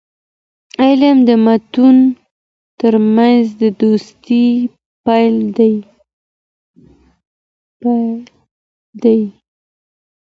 علم د ملتونو ترمنځ د دوستی پل دی.